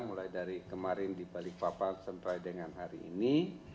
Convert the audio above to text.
mulai dari kemarin di balikpapan sampai dengan hari ini